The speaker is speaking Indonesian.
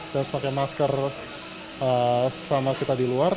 terus pakai masker sama kita di luar